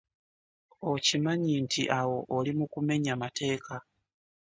Okimanyi nti awo oli mukumenya mateeka.